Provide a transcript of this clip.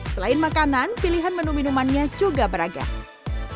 selain makanan pilihan menu minumannya juga beragam